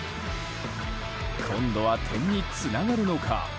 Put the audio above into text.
今度は点につながるのか。